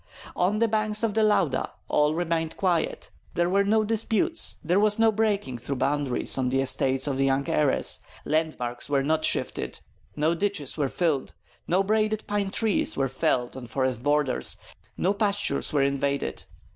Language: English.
On the banks of the Lauda all remained quiet, there were no disputes, there was no breaking through boundaries on the estates of the young heiress, landmarks were not shifted, no ditches were filled, no branded pine trees were felled on forest borders, no pastures were invaded.